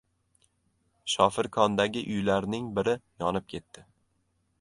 Shofirkondagi uylarning biri yonib ketdi